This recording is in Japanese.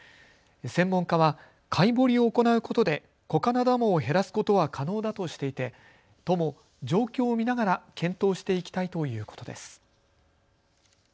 専門家は、かいぼりを行うことでコカナダモ減らすことは可能だとしていて都も状況を見ながら検討していきたいということです。